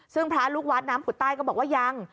ซึ่งพระลูกวัดน้ำผุดใต้ก็บอกว่ายัง